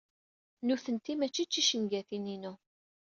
Nutenti mačči d ticengatin-inu.